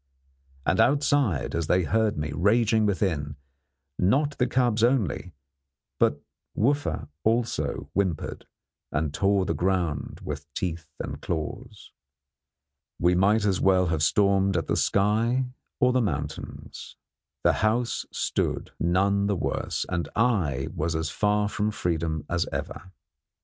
And outside, as they heard me raging within, not the cubs only but Wooffa also whimpered and tore the ground with teeth and claws. We might as well have stormed at the sky or the mountains. The house stood, none the worse, and I was as far from freedom as ever.